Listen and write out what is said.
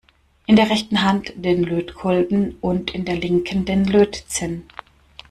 In der rechten Hand den Lötkolben und in der linken den Lötzinn.